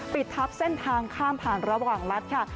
ปิดทับเส้นทางข้ามผ่านระหว่างรัฐค่ะ